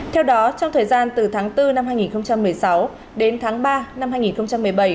theo đó trong thời gian từ tháng bốn năm hai nghìn một mươi sáu đến tháng ba năm hai nghìn một mươi bảy